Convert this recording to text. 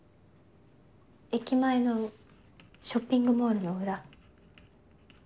駅前のショッピングモールの裏。